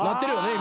今。